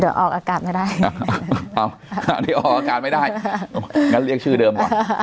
เดี๋ยวออกอากาศไม่ได้เอาอันนี้ออกอากาศไม่ได้งั้นเรียกชื่อเดิมก่อน